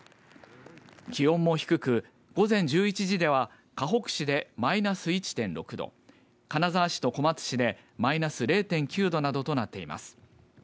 気温も低く午前１１時では、かほく市でマイナス１．６度金沢市と小松市でマイナス０．９度などとなっています。